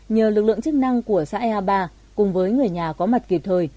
nhờ lực lượng chức năng của xã ea ba cùng với người nhà có mặt kịp thời